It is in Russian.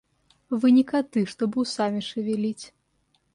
Вы не коты, чтобы усами шевелить.